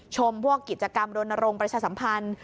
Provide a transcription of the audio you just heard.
ชมพวกกิจกรรมรณรงค์ประชาสัมพันธ์